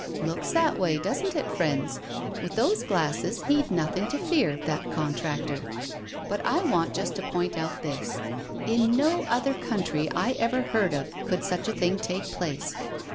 " Looks that way, doesn't it, friends? With those glasses he'd nothing to fear, that contractor. But I want just to point out this — in no other country I ever heard of could such a thing take place.